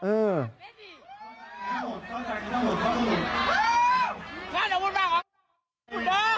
คืนจริง